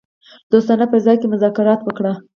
دوستانه فضا کې مذاکرات وکړي.